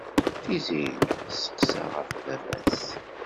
Tiziri tesseqsa ɣef baba-s.